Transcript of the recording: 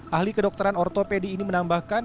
ahli kedokteran ortopedi ini menambahkan